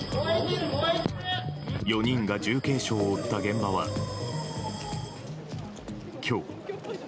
４人が重軽傷を負った現場は今日。